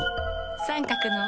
三角のを。